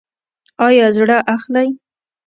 ایا زړه اخلئ؟